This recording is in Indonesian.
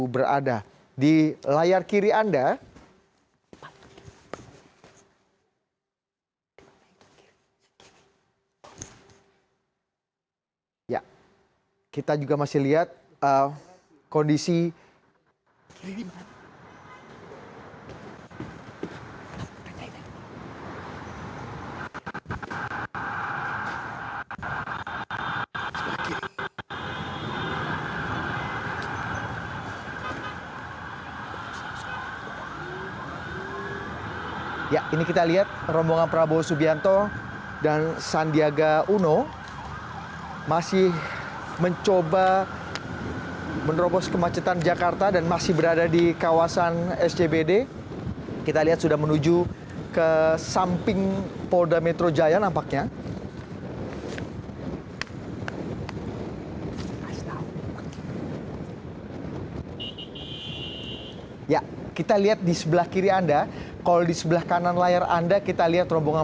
berita terkini mengenai cuaca ekstrem dua ribu dua puluh satu